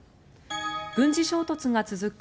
軍事衝突が続く